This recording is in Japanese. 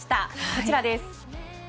こちらです。